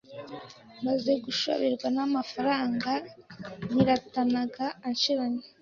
Maze gushoberwa n’amafaranga niratanaga anshiranye